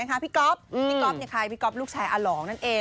พี่ก็อบพี่ก็อบในทางพี่ก็อบลูกชายหน่อยนั่นเอง